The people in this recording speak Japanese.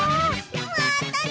またね！